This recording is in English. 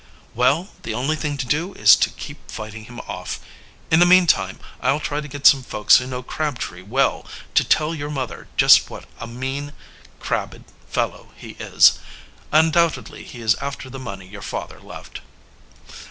"Well, the only thing to do is to keep fighting him off. In the meantime I'll try to get some folks who know Crabtree well to tell your mother just what a mean, crabbed fellow he is. Undoubtedly he is after the money your father left."